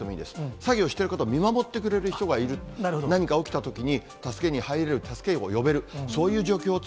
作業している方を見守ってくれる人がいる、何か起きたときに助けに入れる、助けを呼べる、そういう状況を作